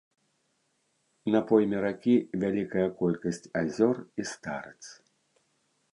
На пойме ракі вялікая колькасць азёр і старыц.